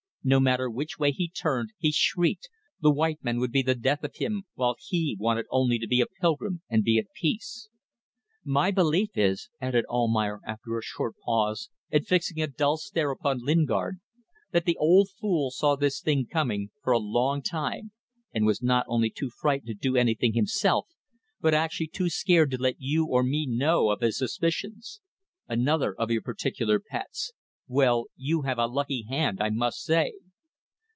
No matter which way he turned he shrieked the white men would be the death of him, while he wanted only to be a pilgrim and be at peace. My belief is," added Almayer, after a short pause, and fixing a dull stare upon Lingard, "that the old fool saw this thing coming for a long time, and was not only too frightened to do anything himself, but actually too scared to let you or me know of his suspicions. Another of your particular pets! Well! You have a lucky hand, I must say!"